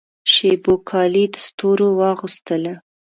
شېبو کالي د ستورو واغوستله